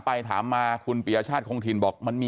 คุณต้องการรู้สิทธิ์ของเขา